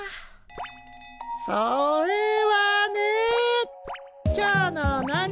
それはね。